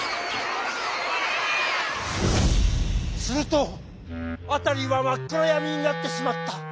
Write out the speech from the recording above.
するとあたりはまっくらやみになってしまった。